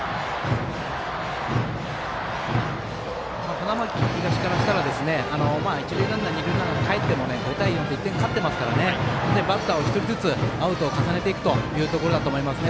花巻東からしたら一塁ランナー、二塁ランナーかえっても、５対４で１点勝ってますからバッターを１人ずつアウトを重ねていくということですね。